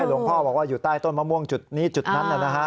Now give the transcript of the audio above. หลวงพ่อบอกว่าอยู่ใต้ต้นมะม่วงจุดนี้จุดนั้นนะฮะ